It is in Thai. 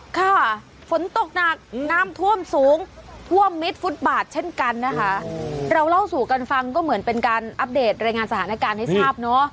ค่ะฝนตกหนักน้ำท่วมสูงท่วมมิดฟุตบาทเช่นกันนะคะเราเล่าสู่กันฟังก็เหมือนเป็นการอัปเดตรายงานสถานการณ์ให้ทราบเนอะ